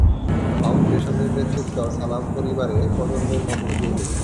ফাউন্ডেশনের নেতৃত্ব সালাম পরিবারে প্রজন্মের মধ্য দিয়ে গেছে।